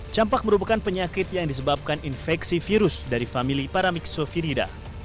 campak merupakan penyakit yang disebabkan infeksi virus dari famili paramiksofirida